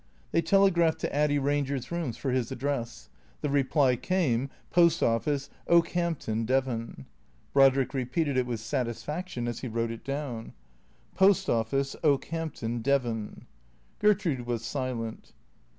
They telegraphed to Addy Eanger's rooms for his address. The reply came, " Post Office, Okehampton, Devon." Brodrick repeated it with satisfaction as he wrote it down: " Post Office, Okehampton, Devon." Gertrude was silent.